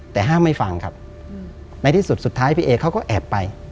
แต่ห้ามไม่ฟังครับในที่สุดสุดท้ายพี่เอเขาก็แอบไป